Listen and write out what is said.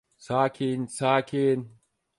Sakin, sakin!